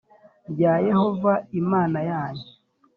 rya yehova imana yanyu